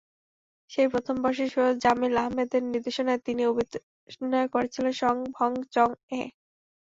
সেই প্রথম বর্ষেই সৈয়দ জামিল আহমেদের নির্দেশনায় তিনি অভিনয় করেছিলেন সঙ-ভঙ-চঙ-এ।